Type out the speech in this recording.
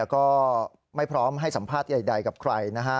ก็ไม่พร้อมให้สัมภาษณ์ใดกับใครนะฮะ